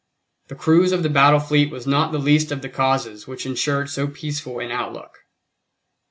The cruise of the battle fleet was not the least of the causes which ensured so peaceful an outlook.